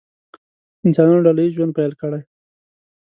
انسانانو ډله ییز ژوند پیل کړی.